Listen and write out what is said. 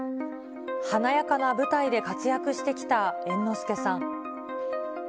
華やかな舞台で活躍してきた猿之助さん。